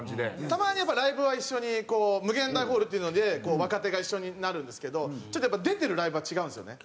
たまにやっぱライブは一緒にこう∞ホールっていうので若手が一緒になるんですけどちょっとやっぱ出てるライブは違うんですよね。